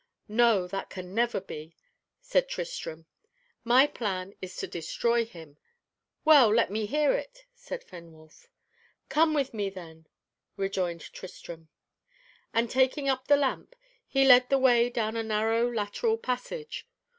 "No, that can never be," said Tristram. "My plan is to destroy him." "Well, let me hear it," said Fenwolf. "Come with me, then," rejoined Tristram. And taking up the lamp, he led the way down a narrow lateral passage.